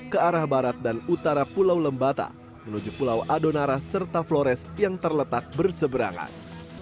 ke arah barat dan utara pulau lembata menuju pulau adonara serta flores yang terletak berseberangan